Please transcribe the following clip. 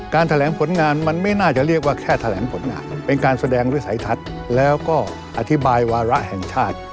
แถลงผลงานมันไม่น่าจะเรียกว่าแค่แถลงผลงานเป็นการแสดงวิสัยทัศน์แล้วก็อธิบายวาระแห่งชาติ